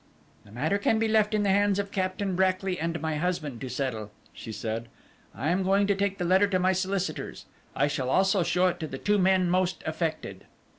"The matter can be left in the hands of Captain Brackly and my husband to settle," she said. "I am going to take the letter to my solicitors. I shall also show it to the two men most affected."